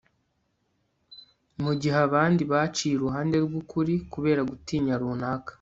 mu gihe abandi baciye uruhande rw'ukuri, kubera gutinya runaka